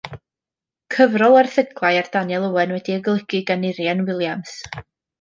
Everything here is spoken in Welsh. Cyfrol o erthyglau ar Daniel Owen wedi'i golygu gan Urien Williams.